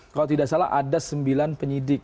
kalau tidak salah ada sembilan penyidik